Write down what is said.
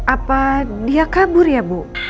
apa dia kabur ya bu